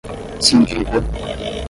cindida